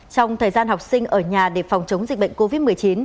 trong thời gian học sinh ở nhà để phòng chống dịch bệnh covid một mươi chín